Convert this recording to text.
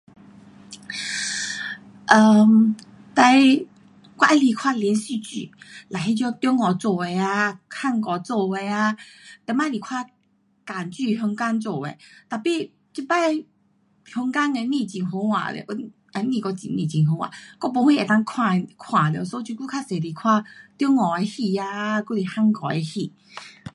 em 我最喜欢看连续剧，每次中国做的啊，韩国做的啊，以前看港剧，香港做的，Tapi 现在香港的戏剧很好看，又不很好看，我不喜欢看，我时常看中国的戏啊，还是韩国的戏。